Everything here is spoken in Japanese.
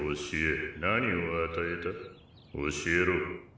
教えろ。